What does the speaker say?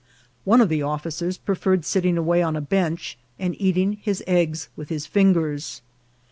One of the officers preferred sitting away on a bench, and eating his eggs with his fingers.